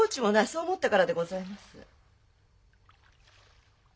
そう思ったからでございます。